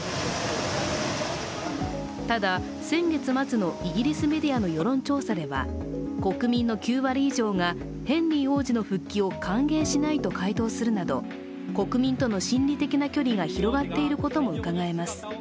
ただ先月末のイギリスメディアの世論調査では国民の９割以上がヘンリー王子の復帰を歓迎しないと回答するなど国民との心理的な距離が広がっていることもうかがえます。